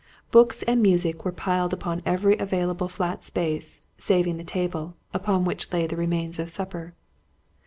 Books and music were piled upon every available flat space, saving the table; upon which lay the remains of supper.